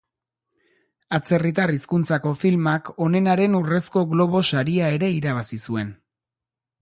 Atzerritar hizkuntzako filmak onenaren Urrezko Globo Saria ere irabazi zuen.